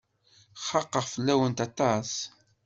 Xaqeɣ fell-awen aṭas.